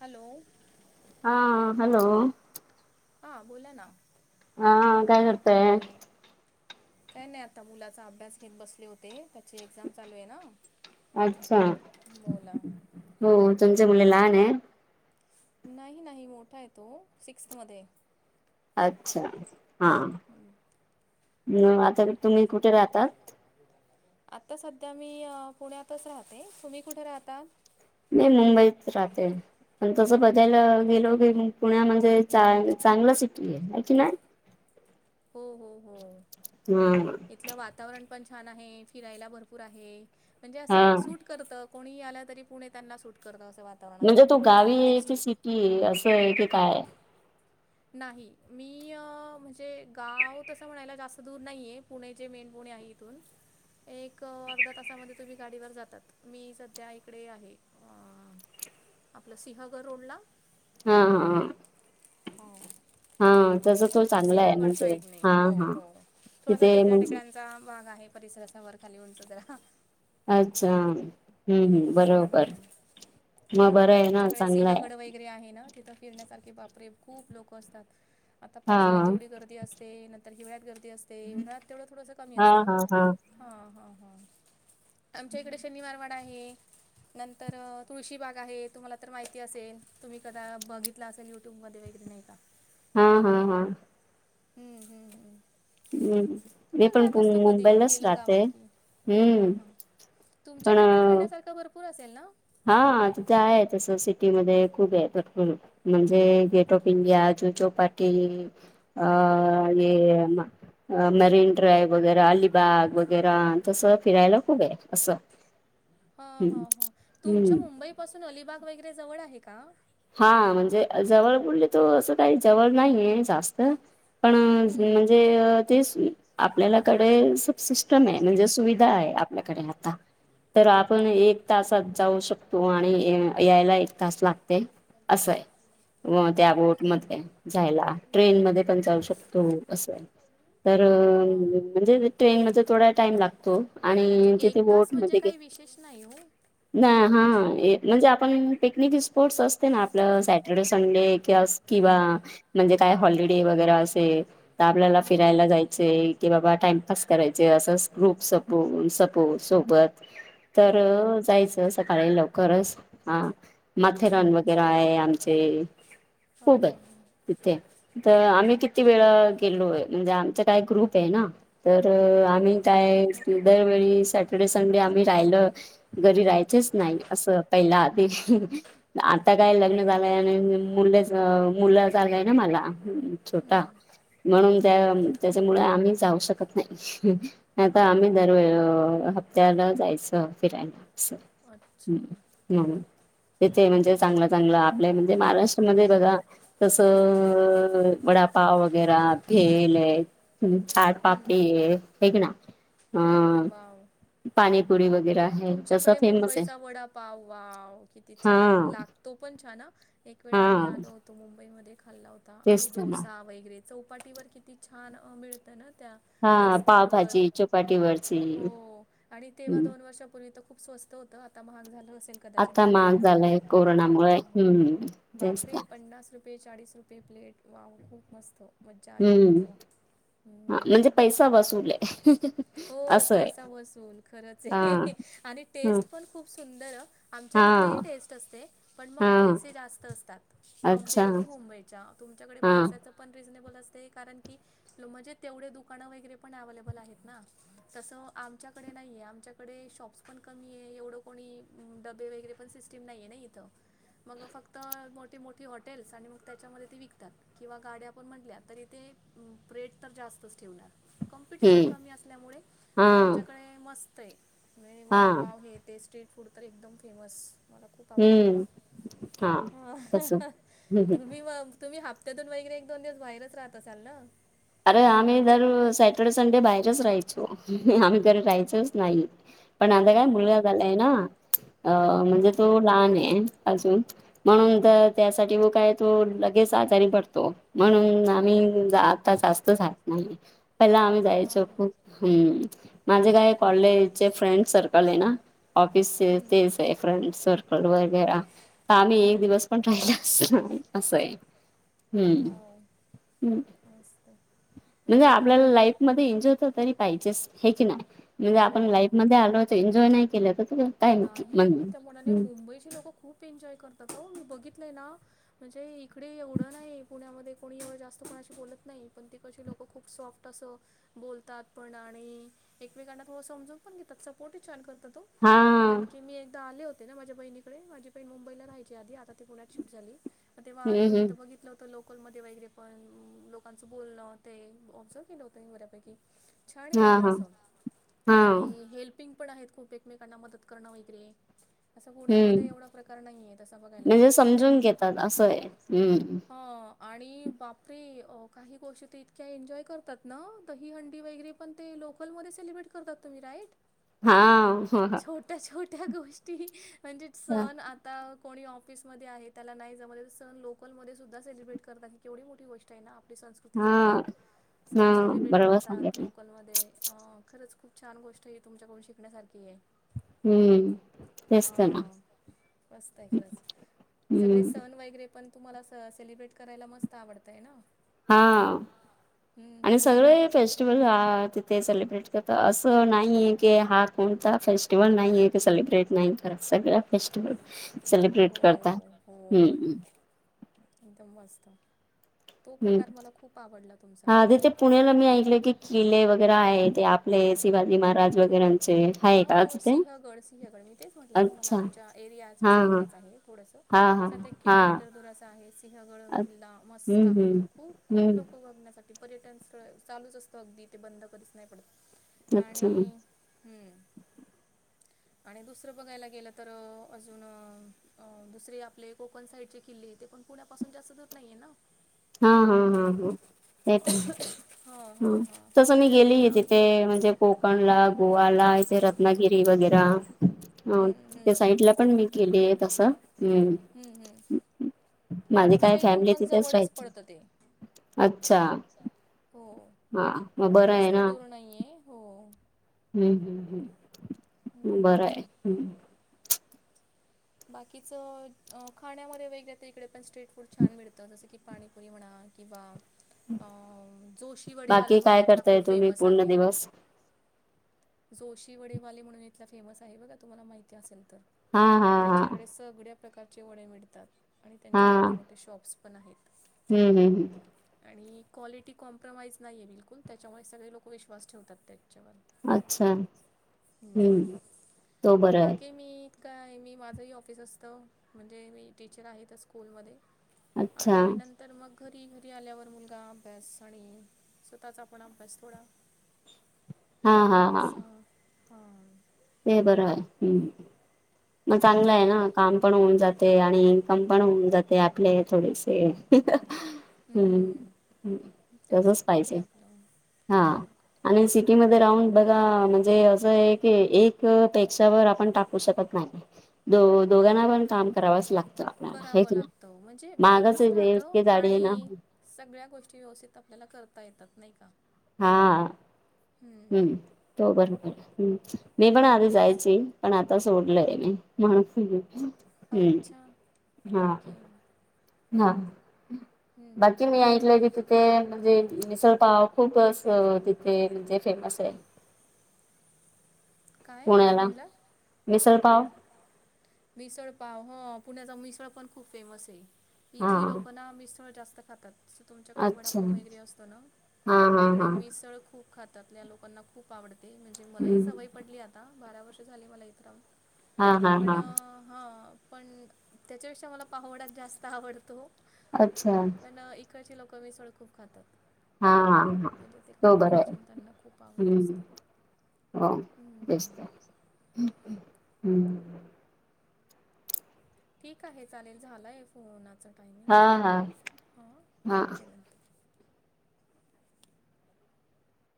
Hello हा hello हा बोला ना. हा काय करताय? काय नाही आता मुलाचा अभ्यास घेेत बसले होते. त्याची एक्झाम चालू आहे ना अच्छा बोला. हो तुमच मुलं लहान आहे? नाही नाही मोठा आहे तो सिक्स्थमध्ये अच्छा हां हम्म ह आता तुम्ही कुठे राहतात? आत्ता सध्या मी पुण्यातच राहते तुम्ही कुठे राहतात? मी मुंबईत राहते. पण तसं बघायला गेलो की पुण्या म्हणजे चांगला सिटी आहे की नाही? हो हो हो हम्म इथलं वातावरण पण छान आहे फिरायला भरपूर आहे म्हणजे अस हा त कोणी आलं तरी पुणे त्यांना सूट करतं असं वा म्हणजे तो गावी आहे की सिटी आहे असं आहे की काय? नाही मी म्हणजे गाव तसं म्हणायला जास्त दूर नाहीये. पुणे जे मेन पुणे आहे इथून. एक अर्धा तासामध्ये तुम्ही गाडीवर जातात मी सध्या इकडे आहे. आपलं सिंहग रोडला. हा हा ह. हो तस तो चांगला आहे सिहगड म्हणजे साईड नाही हा हो हा हो थोडासा तिथे टेकऱ्या म्हणजे टेकऱ्या. चा भाग आहे परिसरास वर खाली उंचा जरा. अच्छा हम्म हम् हम्म बरोबर हम्म मग हां बरं आहे ना आमच्याकडे चांगलंय. सिंहगड वगैरे आहे ना तिथ फिरण्यासारखे बापरे खूप लोक असतात आता पावसाळ्यात हा तेवढी गर्दी गर्दी असते नंतर हिवळ्यात गर्दी असते उन्हा्यात तेवढं थोडस कमी हा असत हा हा ह ह आमच्या इकडे शनिवारवाडा आहे. नंतर तुळशीबाग आहे तुम्हाला तर माहिती असेल तुम्ही कदा बघितला असेल युट्यूबमध्ये वगैरे नाही का. हा हा हा. हम्म हम्म हम्म. हम्म मी मग पण जात असतो कधी मुंबईलाच गेलो गावात राहते की हा हम्म हा. तुमच्याकडे पण फिरण्यासारखं भरपूर असेल ना. हा तिथं आहे तसं सिटीमध्येध्ये खूप आहे भरपूर म्हणजे गेट ऑफ इंडिया जु चोपाट क अ मरन ड्राय वगैरे अलिबाग वगैरे तस फिरायला खूप आहे असं. ह ह हम्म ह तुमच्या हम्म मुंबई पासून अलिबाग वगैरे जवळ आहे का? हा म्हणजे जवळ बोलले तो असं काही जवळ नाही आहे जास्त. पण हम्म म्हणजे तेच. आपल्यालाकडे स सिस्टम आहे म्हणजे सुविधा आहे आपल्याकडे आता. तर आपण एक तासात जाऊ शकतो आणि यायला एक तास लागते असंय व त्या ओके बोटमध्येध्ये जायला ट्रेन मध्ये पण जाऊ शकतो असं आहे. तर हां हां म्हणजे ट्रेन मध्ये थोडा टाइम लागतो म्हणजे आणि तिथे एक तास बोट म्हणजे मध्ये गे काही विशेष नाही हो. नाही हा म्हणजे आपण पिकनिक दिस... स्पोर्ट्स असते ना आपलं सॅटरडे संडे किवा किंवा... हां म्हणजे काय हॉलिडे वगैरे असेल तर आपल्याला हां फिरायला जायचे कि बाबा टाइमपास करायच. ते असस ग्रुप सपो सपो सोबत तर हां जायचं सकाळी लव.. खरच हा. माथेरान वगैरे आहे आमचे हां खूप आहे. हां हां ते तर आम्ही किती वेळ गेलोय म्हणजे आमचा काही ग्रुप हे ना. तर आम्ही काय अरे वा दरवेळीसाठी. सडे संडे आम्ही राहिल घरी राहायचेच नाही असं पहिला आधी... आता काय लग्न हम्म झालंय आणि मुलेअ मुल जालय ना मला. छोटा हम्म म्हणून त्या त्याच्यामुळे आम्ही जाऊ शकत नाही. नाहीत आम्ही दरवेळ हप्त्याला जायचो फिरायला. स अच्छा हम.. तेथे म्हणजे चांगलं चांगलं आपल्या म्हणजे महाराष्ट्रामध्ये बघा तस अ वडापाव वगैरे भेल आहे. ह् चाट हम्म पापडी हेक ना. हा वाव पाणीपुरी वगैरे आहे, तस फेमस हे. वाव वाव किती छान लागतो पण छान ह एक वेळा हा आम्ही आलो होतो. तो मुंबईमध्ये खाल्ला होता तेच आणि तर ना डोसा वगैरे. चौपाटीवर किती छान मिळत ना त्या रस्त्यांवर. पाटीवरची. हो आणि तेव्हा दोन वर्षापूर्वी त खूप स्वस्त होत आता महाग झाल असेल. कदाचित आता झालय महाग ना झालाय हं कोरोनामुळे ह हम्म तेच बाप का रे पन्नास रूप... पे चाळीस रुपये प्लेट वाव खूप मस्त. मज्जा आली होती हम्म तेव्हा हम्म. म्हणजे पैसा वसूल आहे हो असं आहे पैसा बसून खरंच हा आहे आणि हा टेस्ट पण खूप सुंदर अ. आमच्या हा इकडे हि टेस्ट असते. पण मग हा पैसे जास्त असतात, अच्छा कम्पेअर टू मुंबईच्या तुमच्याकडे हा पैसाच... पण रिजनेबल असते कारण की म्हणजे तेवढे दुकानं वगैरे पण अवलेबल आहेत ना. तस आमच्याकडे नाहीे आमच्याकडे शॉप्स पण कमी हे एवढं कोणी डबे वगैरे.. पण सिस्टीम नाही आहे ना इथ मग फक्त मोठीे मोठीे हॉटेल्स आणि मग त्याच्यामध्ये ते विकतात. किंवा गाड्या आपण म्हटल्या तरी ते रेट तर जास्तच ठेवणार. कॉम्पिटिशन हम्म कमी असल्यामुळे हा तुमच्याकडे मस्त आहे. मेणी हा वडापाव हे ते स्ट्रीट फूड तर एकदम फेमस. मला खूप आवडत बाबा हम्म हा अआआ तस हम्म हम्म तुम्ही म तुम्हीआप... त्यातून वगैरे एक दोन दिवस बाहेरच राहत असाल ना. अरे आम्ही म्हणजे? जर सॅटर्डे संडे बाहेरच राहायचो आम्ही घरी जायचोच नाही. पण हा आता काय हा हा. मुलगा झालाय ना अ हा. म्हणजे तो लहान हे अजून. म्हणून तर त्यासाठी व काय तो लगेच आजारी पडतो म्हणून आम्ही जात... जास्त झाात नाही पहिला आम्ही जायचो खूप हम्.. माझे काय कॉलेजचे फ्रेंड सर्कल हे ना ऑफिसचे ते.. फ्रेंड सर्कल सर्कल. वेगैरा. आ आम्ही एक हम्म दिवस पण राहिला अस असं आहे हम् ह्.. म स्त म्हणजे आपल्याला लाईफ मध्ये एंजॉय होत तरी पाहिजेच हे की नाही म्हणजे आपण लाईफ हो मध्ये आलो एन्जॉय नाही केलं तर काय म्हण नाही त्या मनाने मुंबईची लोक खूप खूप एन्जॉय करतात त मी बघितलंय ना म्हणजे इकडे एवढं नाही पुण्यामध्ये कोणी एव जास्त मणाशी बोलत नाही पण ती कशी लोकं खूप सॉफ्ट... तस बोलतात पण आणि एकमेकांना थोड समजून पण घेतात सपोर्टहीछान करतात हो. हा. कारण की मी एकदा आले होते ना माझ्या बहिणीकडे माझी बहीण मुंबईला राहायची आधी आता ती पुण्यात शिफ्ट झाली. तेव्हा आली हम्म होती तर हम्म बघितल होत. तर लोकलमध्ये वगैरे पण लोकांच बोलण ते ऑब्झर्व केल होत बऱ्यापैकी. छान हे हा हणजे हा अस. हा आणि हेल्पिंग पण आहेत खूप एकमेकांना मदत करणं वगैरे असं पुण्यामध्ये हम्म एवढा प्रकार नाहीय तंस बघायला गेलं म्हणजे तर नाही का समजून घेतात असं आहे हम्म ह आणि बापरे काही गोष्टी ते इतक्या एन्जॉय करतात ना दहीहंडी वगैरे पण ते लोकलमध्येध्ये सेलिब्रेट करतात तुम्ही राईट हा हो छोट्या छोट्या गोष्टी म्हणजे हा सण आता आता कोणी ऑफिसमध्येध आहे त्याला नाही जमत ये सण लोकलमध्ये सुद्धा सेलिब्रेट करतात ही केवढी मोठी गोष्ट ना आपली संस्कृती जपतात हा सण सेलिब्रेट बरोबर करतात सांगितलं लोकलमध्ये खरंच खूप छान गोष्ट ही तुमच्याकडून शिकण्यासारखी आहे हम्म तेच तर न मस्तय खरंच सगळे हम्म सण वगैरे पण तुम्हाला सेलिब्रेट करायला अस मस्त आवडतय ना हा हम्म आणि हम्म हम्म. सगळे फेस्टिवल हा तिथे सेलिब्रेट करत अस नाही आहे की हा कोणता फेस्टिवल नाही आहे क सेलिब्रेट नाही करा सगळ्या फेस्टिवल हो सेलिब्रेट करता सेलिब्रेट हो करतात. हो. हम्मम एकदम मस्त तो हम्म प्रकार मला खूप आवडला तुमचा हा तिथे पुण्याला मी ऐकल की किल्ले वगैरे आहे ते आपले शिवाजी महाराज वगैरे हो सिंहगड सिंहगड मी तेच म्हटलं तुम्हाला अच्छा आमच्या एरियाच्या हा हा साईडलाच आहे थोडस हा [unintelligible] हा सात एक किलोमीटर हा दुराचा आहे सिंहगड किल्ला मस्त हम्म आहे तो खूप हम्म खूप हम्म लोक ण्यासाठी पर्यटन स्थळ चालूच असतं अगदी ते बंद कदिच नाही पडत अच्छा आणि हम्म [unintelligible] आणि दुसरं बघायला गेलं तर अजून [unintelligible] अ दुसरे आपले कोकण साईडचे किल्ले ते पण पुण्यापासून जास्त दूर नाहीये ना हा हा हा हा [unintelligible] ते पण हा हा ह हा तसं मी गेली जंजिरा तिथे वगैरे म्हणजे कोकण ला गोवाला इथे रत्नागिरी वगैरे ह हम्म हम्म त्या हम्म साईडला पण मी गेली आहे तसं हम्म हम्म माझी काय आमच्या इथून फॅमिली आहे पण तिथेच जवळच राहि पडतं ते [unintelligible] अच्छा हा मग बरं आहे ना नाहीे हो [unintelligible] हम्म हम् हम् बरं आहे हम् बाकीचं खाण्यामध्ये वैगरे तर इकडे पण स्ट्रीट फूड छान मिळतं जसं की पाणीपुरी म्हणा किंवा [unintelligible] अ जोशी वडेवाले बाकी म्हणून काय इथला करताय खूप तुम्ही फेमस पूर्ण आहे दिवस जोशी वडेवाले म्हणून इथला फेमस आहे बघा तुम्हाला माहिती असेल तर हा हा [unintelligible] त्यांच्याकडे सगळ्या प्रकारचे वडे मिळतात आणि त्यांचे मोठे मोठे शॉप्स पण आहेत हम् हम् हम [unintelligible] आणि क्वालिटी कॉम्प्रमाइज नाही आहे बिलकुल त्याच्यामुळे सगळे लोक विश्वास ठेवतात त्याच्यावर अच्छा ह् हम्म तो बरा आहे बाकी मी काय, मी माझंही ऑफिस असतो म्हणजे मी टीचर आहे ते स्कूलमध्ये. अच्छा आणि नंत [unintelligible] तर मग घरी घरी आल्यावर मुलगा अभ्यास आणि स्वतःचा आपण अभ्यास थोडा [unintelligible] हा. असा हा [unintelligible] ते बरं आहे मग चांगलं आहे ना हम्म. काम पण होऊन जाते आणि इन्कम पण होऊन जाते आपले थोडेसे हम् हम्म. तेच तसच होते पाहिजे आपलं हा काय मग [unintelligible] आणि सिटीमध्ये राहून बगा म्हणजे अस ये की एक पशवर आपण टाकू शकत नायी [unintelligible] दो दोघांना पण काम करावच लागतं आपल्याला हे करावं की नाई. लागतं म्हणजे मागच बॅलन्स राहतं इतके जाडी ये ना आणि [unintelligible] सगळ्या गोष्टी व्यवस्थित आपल्याला करता येतात नायी का? [unintelligible] हा हम्म हो बरोबर् मी पण आधी तेच. जायची [unintelligible] पण आता सोडलय, हम् अच्छा हा ओके हम्म हा हम्म बाकी मी हम्म. ऐकलय की त [unintelligible] ते म्हणजे मिसळपाव खूप अस तिथे म्हणजे फेमस ये काय काय पुण्याला म्हणला? मिसलपाव [unintelligible] मिसळ पाव हो पुण्याचा मिसळ पण खूप फेमस ये. हा इथली लोक ना मिसळ जास्त खातात. [unintelligible] तुमच्याकडे अच्छा वडापाव वगैरे असतो ना हा हा इकडे हा मिसळ खूप खूप खातातल्या लोकांना खूप आवडते म्हणजे मला ह हम्म सवय पडली आता बारा वर्ष झाली मला इत राहून [unintelligible] हा हा हा [unintelligible] हा पण त्याच्यापेक्षा मला पाहोडा च जास्त आवडतो. अच्छा [unintelligible] पण इकडची लोक मिसळ खूप खातात. [unintelligible] हा हा हा म्हणजे ते तो बरा कॉम्बिनेशन त्यांना खूप आवडत असत. ह, तेच की. ठिकय. हम. ठीक आहे, चालेल. झालाय, फोनाचा टायमिंग. हा हा हा हा करते नंतर.